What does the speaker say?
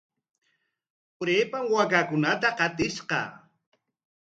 Urapam waakakunata qatishqa.